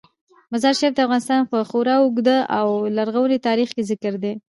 مزارشریف د افغانستان په خورا اوږده او لرغوني تاریخ کې ذکر دی.